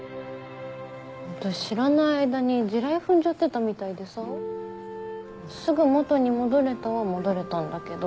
私知らない間に地雷踏んじゃってたみたいでさすぐ元に戻れたは戻れたんだけど。